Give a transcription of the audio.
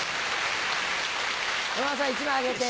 山田さん１枚あげて。